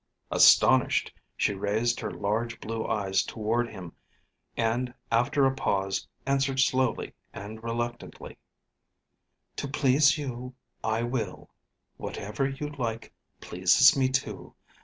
Astonished, she raised her large blue eyes toward him, and after a pause answered slowly and reluctantly: "To please you, I will: whatever you like pleases me too.